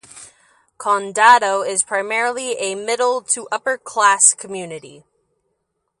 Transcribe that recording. Condado is primarily a middle to upper class community.